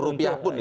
satu rupiah pun ya